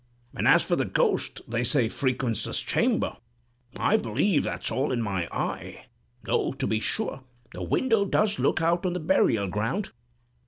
And as for the ghost they say frequents this chamber, I believe that's all in my eye, though, to be sure, the window does look out on the burial ground."